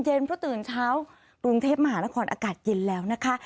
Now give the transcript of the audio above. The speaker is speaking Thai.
เพราะตื่นเช้ากรุงเทพมหานครอากาศเย็นแล้วนะคะ